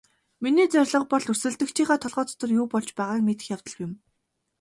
Миний зорилго бол өрсөлдөгчийнхөө толгой дотор юу болж байгааг мэдэх явдал юм.